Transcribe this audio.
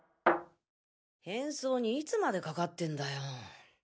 変装にいつまでかかってんだよ！